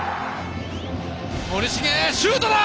森重、シュートだ！